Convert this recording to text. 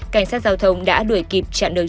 cảnh sát giao thông đã đuổi kịp chặn được